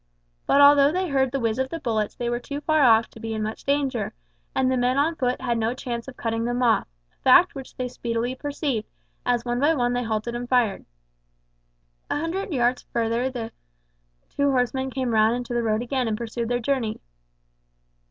But although they heard the whiz of the bullets they were too far off to be in much danger, and the men on foot had no chance of cutting them off, a fact which they speedily perceived, as one by one they halted and fired. A few hundred yards farther the two horsemen came round into the road again and pursued their journey.